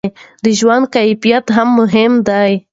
د ژوند کیفیت هم مهم دی.